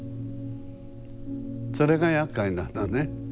それがやっかいなのね。